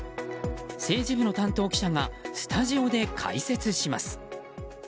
政治部の担当記者がスタジオで解説します。